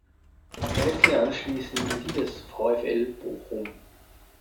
Er wechselte anschließend in die des VfL Bochum.